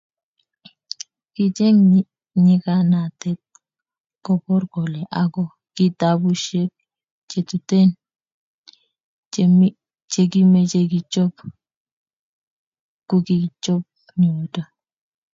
kicheng nyikanatet kobor kole akot kitabusheck chetuten chekimeche kichop kukikichope yoto